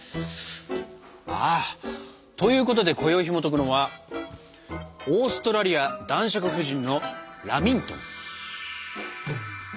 あということでこよいひもとくのはオーストラリア男爵夫人のラミントン！